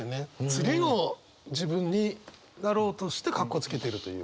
次の自分になろうとしてカッコつけてるという。